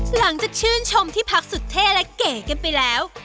หลังจากชื่นชมที่พักสุดเท่าะเก๋กันไปแล้ว